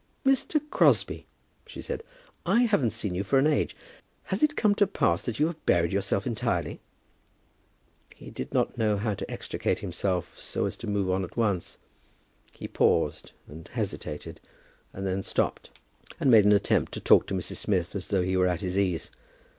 "Mr. Crosbie," she said, "I haven't seen you for an age. Has it come to pass that you have buried yourself entirely?" He did not know how to extricate himself so as to move on at once. He paused, and hesitated, and then stopped, and made an attempt to talk to Mrs. Smith as though he were at his ease.